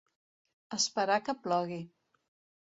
Esperar que plogui.